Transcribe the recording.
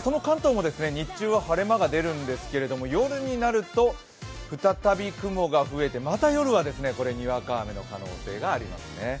その関東も日中は晴れ間が出るんですけれども、夜になると再び雲が増えてまた夜はにわか雨の可能性がありますね。